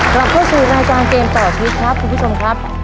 กลับเข้าสู่รายการเกมต่อชีวิตครับคุณผู้ชมครับ